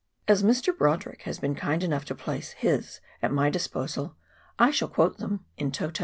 As Mr. Brodrick has been kind enough to place his at my disposal I shall quote them " in toto."